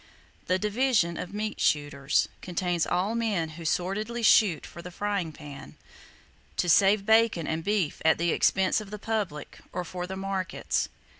The Division Of Meat Shooters contains all men who sordidly shoot for the frying pan,—to save bacon and beef at the expense of the public, or for the markets.